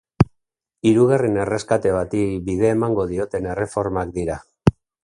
Hirugarren erreskate bati bide emango dioten erreformak dira.